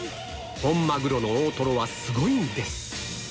本マグロの大トロはすごいんです